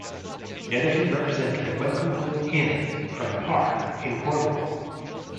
Netherton represented the Welcome Home Inn from Par in Cornwall.